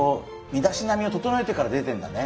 身だしなみを整えてから出てんだね。